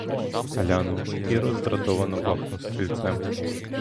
Глянув — і роздратовано бахнув стільцем.